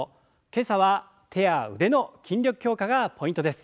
今朝は手や腕の筋力強化がポイントです。